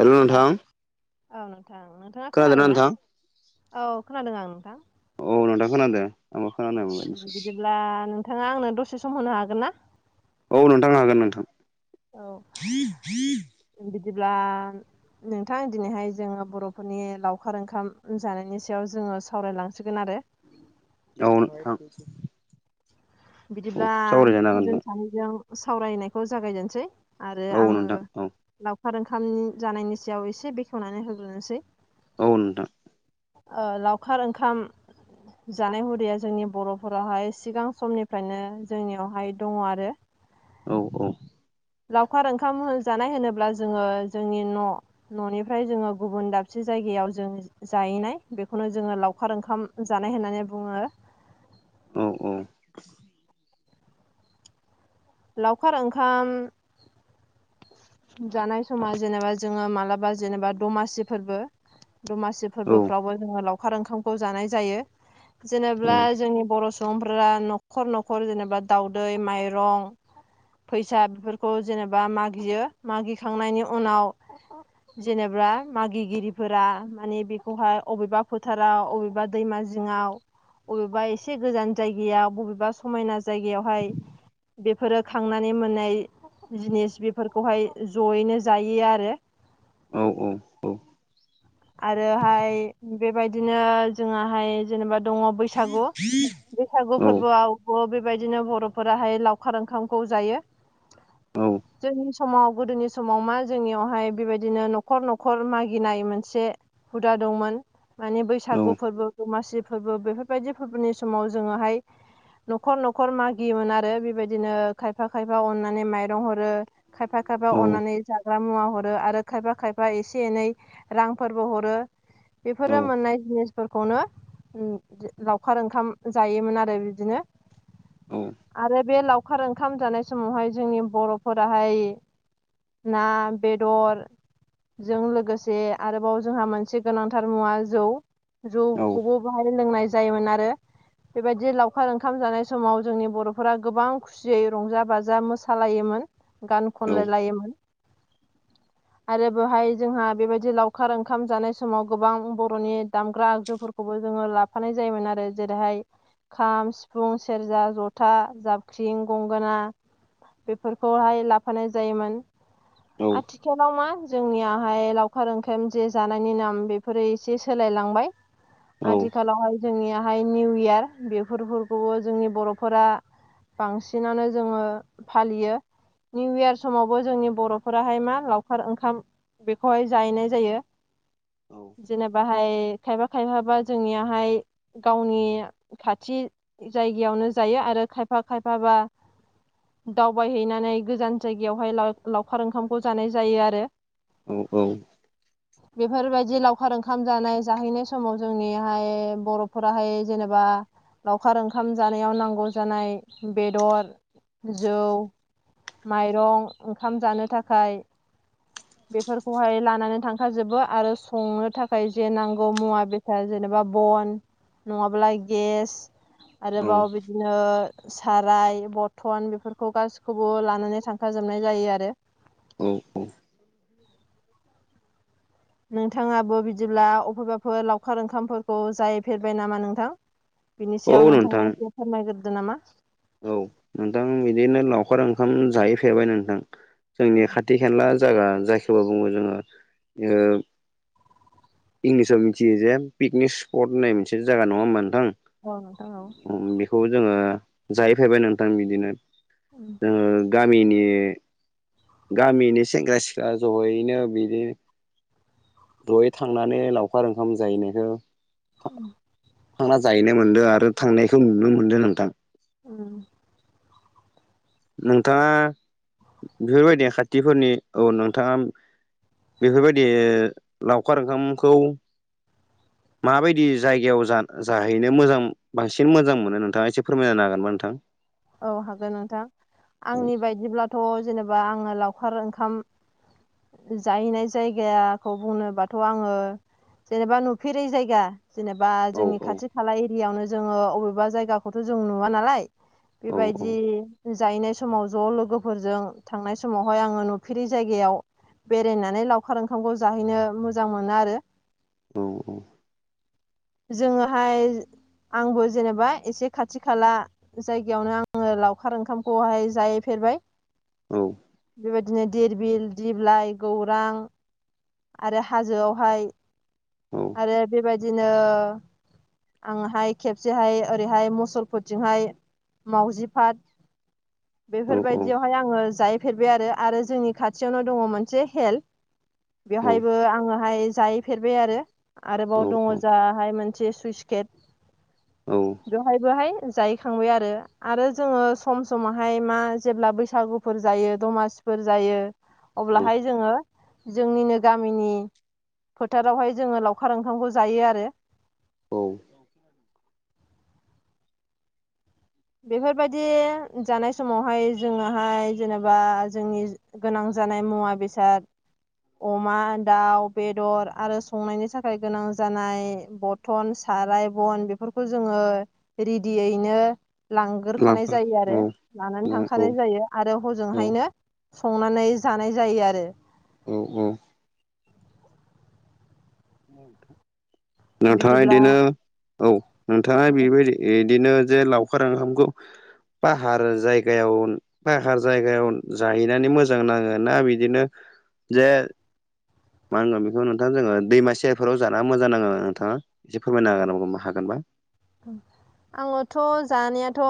हेल' hello नोंथां। औ नोंथां। नोंथाङा खोनादोंना? औ खोनादों आं नोंथां। औ नोंथां खोनादो। आंबो खोनानो मोनबाय। बा नोंथाङा आंनो दसे सम होनो हागोन ना? औ नोंथां हागोन नोंथां। औ [inaudible] बिदिब्ला नोंथां दिनैहाय जोङो बर'फोरनि लावखार ओंखाम जानायनि सायाव जोङो सावरायलांसिगोन आरो। औ नोंथां। औ बिदिब्ला जों सावरायजानो सानो जों सावरायनायखौ जागायजेनसै आरो हागोन आङो नोंथां लावखार ओंखाम जानायनि सायाव एसे बेखेवनानै होग्रोनोसै औ नोंथां। ओ लावखार ओंखाम जानाय हुरैया जोंनि बर'फोरावहाय सिगां समनिफ्रायनो जोंनियावहाय दङ आरो। औ औ। लावखार ओंखाम जानाय होनोब्ला जोङो जोंनि न' न'निफ्राय जोङो गुबुन दाबसे जायगायाव जों जाहैनाय। बेखौनो जोङो लावखार ओंखाम जानाय होननानै बुङो‌। औ औ। लावखार ओंखाम जानाय समा जेनेबा जोङो मालाबा जेनेबा दमासि फोरबो दमासिब औ फोरबोफ्रावबो जोङो लावखार ओंखामखौ जानाय जायो औ जेनेब्ला जोंनि बर' स [unintelligible] न'खर न'खर जेनेबा दाउदै माइरं फैसा बेफोरखौ जेनेबा मागियो मागिखांनायनि उनाव जेनेबा मागिगिरिफोरा मानि बेखौहाय अबेबा फोथाराव अबेबा दैमा जिङाव अबेबा इसे गोजान जायगायाव बबेबा समायना जायगायावहाय बेफोरो खांनानै मोननाय जिनिस बेफोरखौहाय जयैनो जायो आरो औ औ औ आरोहाय बेबायदिनो जोंहाहाय जेनेबा दङ बैसागु [unintelligible] फोरबोआवबो बेबायदिनो बर'फोराहाय लावखार ओंखामखौ जायो [unintelligible] समाव गोदोनि समाव मा जोंनियावहाय बेबायदिनो न'खर न'खर मागिनायोमोन से हुदा दंमोन माने बैसागु फोरबो दमासि फोरबो बेफोरबायदि फोरबोनि समाव जोङोहाय न'खर न'खर मागियोमोन आरो बिबायदिनो खायफा खायफा अननानै माइरं हरो खायफा खायफा औ अननानै जाग्रा मुवा हरो आरो खायफा खायफा एसे एनै रांफोरबो हरो बेफोरो औ मोननाय जिनिसफोरखौनो [unintelligible] लावखार ओंखाम जायोमोन आरो बिदिनो आरो बे लाव खार ओंखाम जानाय समावहाय जोंनि बर'फोराहाय ना बेदरजों लोगोसे आरोबाव जोंहा मोनसे गोनांथार मुवा जौ जौखौबो बाहाय लोंनाय ज जायोमोन आरो बेबायदि लावखार ओंखाम जानाय समाव जोंनि बर'फोरा गोबां खु खुसियै रंजा बाजा मोसालायोमोन गान खनलाय लायोमोन आरो बेहाय जोंहा बेबायदि लाव खार ओंखाम जानाय समाव गोबां बर'नि दामग्रा आगजुफोरखौबो जोङो लाफानाय जायोमोन आरो जेरैहाय खाम सिफुं सेरजा जथा जाबख्रिं गंगोना बेफोरखौहाय लाफानाय जायोमोन आथिखालाव मा जोंनियाहाय लावखार ओंख [unintelligible] जे जानायनि नाम बेफोरो इसे सोलायलांबाय आथिखालावहाय जोंनियाहाय निउ इयार बेफोरखौबो जोंनि बर'फोरा बांसिनानो जोङो फालियो निउ इयार समावबो जोंनि बर' फोराहाय मा लावखार ओंखाम बेखौहाय जाहैनाय जायो जेनेबाहाय खायबा खायफाबा जोंनियाहाय गावनि खाथि जायगायावनो जायो आरो खायफा खायफाबा दावबायहैनानै गोजान जायगायावहाय लाव लावखार ओंखामखौ जानाय जायो आरो उ औ बेफोरबायदि लावखार ओंखाम जानाय जाहैनाय समाव जोंनिहाय बर'फोराहाय जेनेबा लावखार ओंखाम जानायाव नांगौ जानाय बेदर जौ माइरं ओंखाम जानो थाखाय बेफोरखौहाय लां नानै थांखाजोबो आरो संनो थाखाय जे नांगौ मुवा बेसाद जेनेबा बन नङाब्ला गेस आरोबाव बिदिनो साराय बरथन बेफोरखौ गासिखौबो लानानै थांखाजोबनाय जायो आरो औ औ नोंथाङाबो बिदिब्ला अफायबाफोर लावखार ओंखामफोरखौ जाहैफेरबाय नामा नोंथां बिनि सायाव औ नोंथां नोंथाङा [unintelligible] फोरमायगोरदो नामा औ नोंथां बिदिनो लावखार ओंखाम जाहैफेरबाय नोंथां जोंनि खाथ थि खाला जागा जायखौ बुङो जोङो ओ इंलिसाव मिथियो जे पिकनिक स्पट होननाय मोनसे जायगा नङा होमबा नोंथां औ नोंथां औ खौ जोङो जाहैफेरबाय नोंथां बिदिनो उ जोङो गामिनि गामिनि सेंग्रा सिख्ला जयैनो बिदि जयै थांनानै लावखार ओंखाम जाहैनायखौ उम थांना जाहैनो मोनदों आरो थांनायखौ नुनो मोनदों नोंथां उम नोंथाङा बेफोरबायदि खाथिफोरनि औ नोंथाङा बेफोरबायदि लावखार ओंखामखौ माबायदि जायगायाव जाहैनो मोजां बांसिन मोजां मोनो नोंथाङा एसे फोरमायनो हागोनबा नोंथां औ हागोन नोंथां आंनि बायदिब्लाथ' जेनेबा आङो लावखार ओंखाम जाहैनाय जायगाखौ बुंनोबाथ' आङो जेनेबा नुफेरै जायगा जेनेबा औ जोंनि खाथि खाला एरियायावनो जोङो अबेबा जायगाखौथ' जों नुवा नालाय औ बेबायदि जाहैनाय समाव ज' लोगोफोरजों थांनाय समावहाय आङो नुफेरि जायगायाव बेरायनानै लावखार ओंखामखौ जाहैनो मोजां मोनो आरो औ औ [inaudible] जोङोहाय आंबो जेनेबा एसे खाथि खाला जायग सिगयावनो आङो लावखार ओंखामखौहाय जाहैफेरबाय बेबायदिनो धिरबिल दिबलाइ गौरां आरो हाजोआव हाय औ औ आरो बेबायदिनो आंहाय खेबसेहाय ओरैहाय मुसलफोरथिंहाय मावउजि पार्क औ बेफोरबायदियावहाय आङो जाहैफेरबाय आरो आरो जोंनि खाथियावनो दङ मोनसे हेल्थ बेवहायबो आङोहाय जाहैफेरबाय आरो आरोबाव दङ जाहाय मोनसे सुइस गेट औ बेवहाय बोहाय जाहैखांबाय आरो आरो जोङो सम समावहाय मा जेब्ला बैसागुफोर जायो दमासिफोर जायो औ अब्लाहाय जोङो जोंनिनो गामिनि फोथारावहाय जोङो लावखार ओंखामखौ जायो आरो औ बेफोरबायदि जानाय समावहाय जोङोहाय जेनेबा जोंनि गोनां जानाय मुवा बेसाद अमा दाउ बेदर आरो संनायनि थाखाय गोनां जानाय ब बटन साराय बन बेफोरखौ जोङो रेडियैनो लांग्रोखानाय लाफा जायो औ आरो औ लानानै औ औ थांखानाय जायो आरो औ हजोंहायनो संनानै जानाय जायो आरो औ औ नोंथायाङ बिदिब्ला बिदिनो औ नोंथाङ बेबायदि बिदिनो जे लावखार ओंखामखौ पाहार जायगायाव पाहार जायगायाव जाहैनानै मोजां नाङो ना बिदिनो जे मा होनगोन बेखौ नोंथाङा जोङो दैमा सेरफोराव जाना मोजां नाङो नोंथाङा एसे फोरमायना होनो नांगौ हागोनबा? [inaudible] आङोथ' जानायाथ'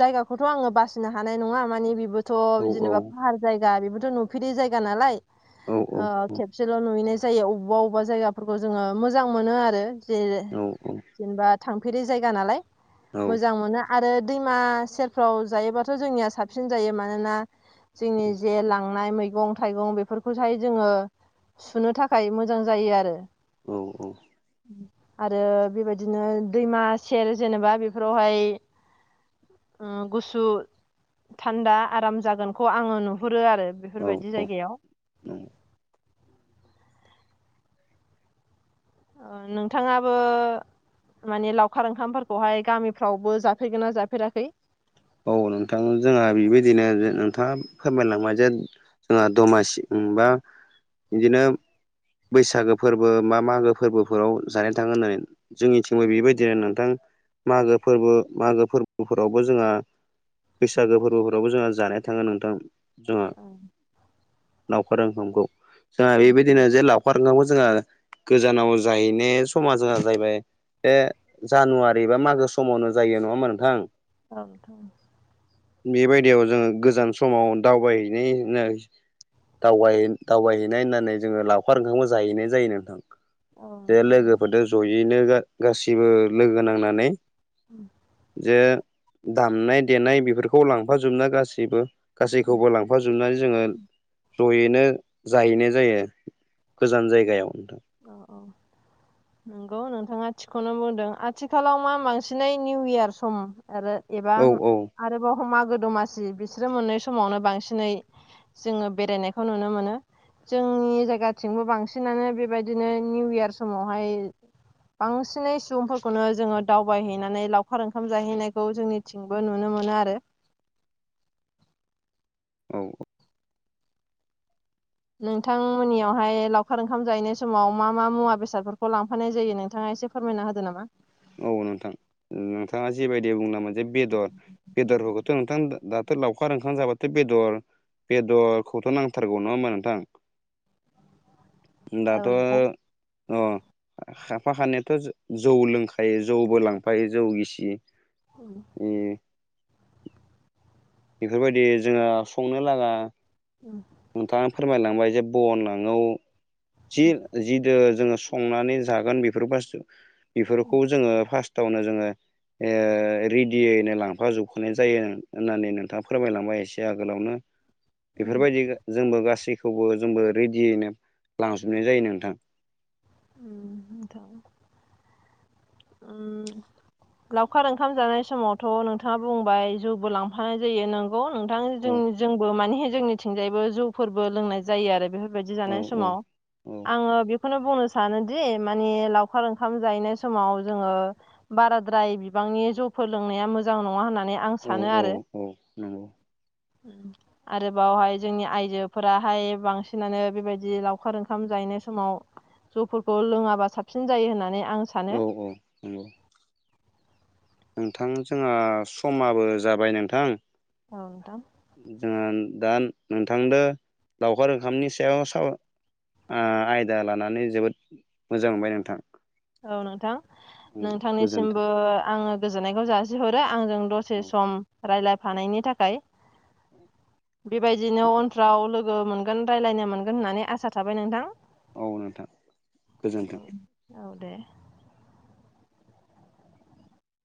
जायगाखौथ' आङो बासिनो हानाय नङा माने बेबो थ' औ जेनेबा फाहार जायगा बेबोथ' नुफेरै जायगा नालाय औ खेबसेल' नुयैनाय। जायो बबेबा अबेबा जायाफोरखौ जोङो मोजां मोनो आरो जे औ जेनेबा था नुफेरै जायगा नालाय औ मोजां मोना आरो दैमा सेरफ्राव जायोबाथ' जोंनिया साबसिन जायो मानोना जोंनि जे लां नाय मैगं थाइगं बेफोरखौहाय जोङो सुनो थाखाय मोजां जायो आरो। औ औ। आरो बेबायदिनो दैमा सेर जेनेबा बेफोरावहाय गुसु थान्दा आराम जागोनखौ आङो नुहुरो आरो। औ बेफोरबायदि जायगायाव। औ औ ओं नोंथाङाबो माने लावखार ओंखामफोरखौहाय गामिफ्रावबो जाफेरगोन ना जाफेराखै? औ नोंथां जोंहा बेबायदिनो नोंथाङा फोरमायलांबाय जे जोंहा दमासि बा बिदिनो बैसागो फोरबो मा मागो फोरबोफोराव जानाय थाङो होननानै। जोंनिथिंबो बेबायदिनो नोंथां मागो फोरबो मागो फोरबोफोरावबो जोंहा बैसागो फोरबोफोरावबो जोंहा जानाय थाङो नोंथां जोंहा नाव औ लावखार ओखामांगौ जोंहा बेबायदिनो जे लावखार ओखांगौ जोङो गोजानाव जाहैनो समाजहा जाहैबाय बे जानुवारि बा मागो समावनो जायो नङामा नोंथां? औं। बेबायदियाव जोङो गोजाम समाव दावबायहैनायनाय दावबाय दावबायहैनाय होननानै जोङो लावखार ओंखामबो जाहैनाय जायो नोंथां। औ दे नोंथां लोगोफोरजों जयैनो गासिबो लोगो नांनानै [inaudible] जे दामनाय देनाय बेफोरखौ लांफाजोबना गासैबो गासैखौबो लांफाजोबनानै जोङो ज'यैनो जाहैनाय जायो गोजान जायगायाव। औ औ नंगौ नोंथाङा थिखौनो बुंदों। आथिखालाव मा बांसिनै निउ इयार सम आरो एबा औ औ आरोबाव मागो दमासि बिसोरो मोननै समावनो बांसिनै जोङो बेरायनायखौ नुनो मोनो जोंनि जायगाथिंबो बांसिनानो बेबायदि बिदिनो निउ इयार समावहाय बांसिनै सुबुंफोरखौनो जोङो दावबायहैनानै लावखार ओंखाम जाहैनायखौ जोंनि जेथिंबो नुनो मोनो आरो औ औ। नोंथांमोननियावहाय लावखार ओंखाम जाहैनाय समाव मा मा मुवा बेसादफोरखौ लांफानाय जायो नोंथाङा एसे फोरमायना होदो नामा। औ नोंथां नोंथाङा जेबायदि बुंला मोनसेे बेदर बेदरफोरखौथ' नोंथां दाथ' लावखार ओंखाम जाबाथ' बेदर बेदरखौथ' नांथारगौ नङा होमबा नोंथां? औ दााथ' अ साफा खानायाथ' जौ लोंखा खायो जौबो लांफायो जौ गिसियो औ ए। बेफोरबायदि जोहा संनो लागा उम। नोंथाङा फोरमायलांबाय जे बन नङौ जि जिदो जोङो स संनानै जागोन बेफोर बास बेफोरखौ जोङो फार्स्ट [unintelligible] जोङो रेडियैनो लांफाजोबखानाय जायो होननानै नोंथाङा फोरमायलांबाय एसे आगोलावनो बेफोरबायदि जोंबो गासै खौबो जोंबो रेडियैनो लांजोबनाय जायो नोंथां [unintelligible] लावखार ओंखाम जानाय समावथ' नोंथाङा बुंबाय जौबो लांफानाय जायो नोंगौ [unintelligible] औ जों जोंबो माने जोंनिथिंजायबो जौफोरबो लोंनाय जायो आरो बेफोर बेबायदि औ जानाय औ समाव औ आङो बेखौनो बुंनोसै सानोदि माने लावखार ओंखाम जाहैनाय समाव जोङो बाराद्राय बिबांनि जौफोर लोंनाया मोजां नङा होननानै [unintelligible] आं औ सानो औ आरो औ नंगौ आरोबावहाय जोंनि आयजोफोराहाय बांसिनानो बेबायदि लावखार ओंखाम जायनाय समाव [unintelligible] फोरखौ लोङाबा साबसिन जायो होननानै आं औ सानो [unintelligible] नोंथां जोंहा समाबो जाबाय नोंथां [unintelligible] जोंहा दा नोंथांनो लावखार ओंखामनि सायाव [unintelligible] आयदा लानानै जोबोद मोजां मोनबाय [unintelligible] औ नोंथां गोजोन्थों नोंथांनिसिमबो आङो गोजोननायखौ [unintelligible] हरो आंजों दसे औ सम रायलायफानायनि थाखाय बेबायदिनो उनफ्राव लोगो मोनगोन राय्लायनो मोनगोन होननानै आसा थाबाय नोंथां मावनांथां गोजोन्थों। औ दे